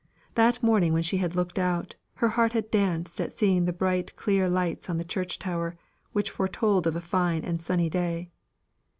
That morning when she had looked out, her heart had danced at seeing the bright clear lights on the church tower, which foretold a fine and sunny day.